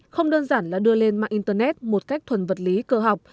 không đơn giản là đưa lên mạng internet một cách thuần vật lý cơ học